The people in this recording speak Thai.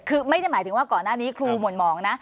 คือไม่ได้หมายถึงว่าก่อนหน้านี้ครูหม่นหมองนะ